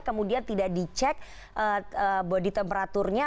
kemudian tidak dicek body temperature nya